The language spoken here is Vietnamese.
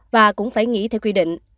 và cũng phải nghỉ theo quy định